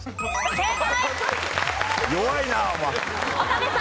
正解！